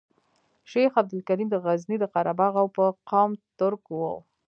شیخ عبدالکریم د غزني د قره باغ او په قوم ترک وو.